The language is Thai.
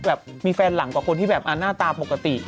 แบบมีแฟนหลังกว่าคนที่แบบหน้าตาปกติ